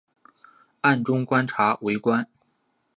暗中观察围观